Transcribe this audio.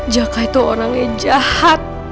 jaka itu orangnya jahat